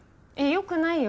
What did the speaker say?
よくないよ。